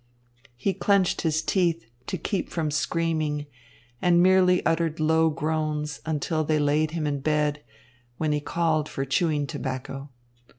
He clenched his teeth to keep from screaming, and merely uttered low groans until they laid him in bed; when he called for chewing tobacco.